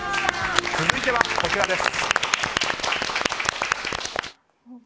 続いてはこちらです。